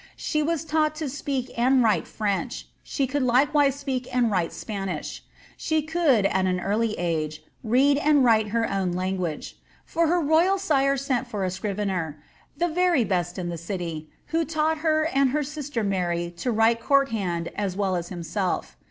She was taught to speak and write French ; she could likewise speak and write Spanish. She could, at an early age, read and vnrite her own language ; for her royal sire sent for a scrivener, ^^ the very best in the city,'' who taught her and her sister Mary to write court hand as well as himself.